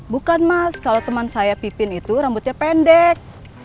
bukan mas kalau teman saya pipin itu rambutnya pendek